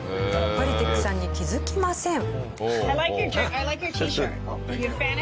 バリテックさんに気づきません。